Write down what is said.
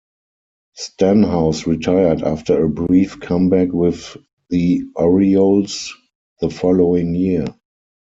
Stanhouse retired after a brief comeback with the Orioles the following year.